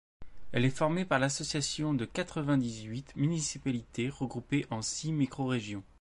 Elle est formée par l'association de quatre-vingt-dix-huit municipalités regroupées en six microrégions.